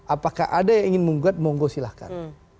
apakah ada yang ingin menggugat mohon gue silahkan